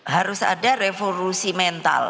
harus ada revolusi mental